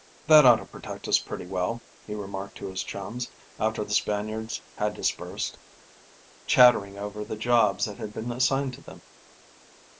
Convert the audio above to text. "That ought to protect us pretty well," he remarked to his chums, after the Spaniards had dispersed, chattering over the jobs that had been assigned to them.